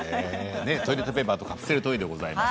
トイレットペーパーとカプセルトイでございます。